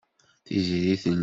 Tiziri teldi-d ṭṭaq.